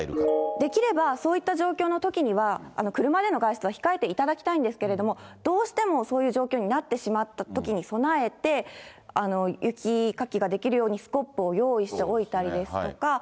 できれば、そういった状況のときには、車での外出は控えていただきたいんですけれども、どうしてもそういう状況になってしまったときに備えて、雪かきができるようにスコップを用意しておいたりですとか。